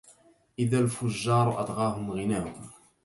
إذا الفجار أطغاهم غناهم